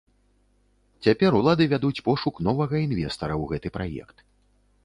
Цяпер улады вядуць пошук новага інвестара ў гэты праект.